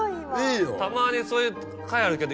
たまにそういう回あるけど。